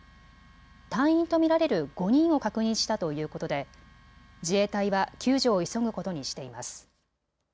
隊員と見られる５人を確認したということで自衛隊は救助を急ぐことにしています。